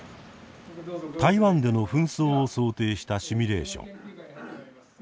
台湾での紛争を想定したシミュレーション。